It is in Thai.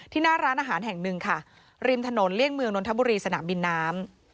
หน้าร้านอาหารแห่งหนึ่งค่ะริมถนนเลี่ยงเมืองนนทบุรีสนามบินน้ำ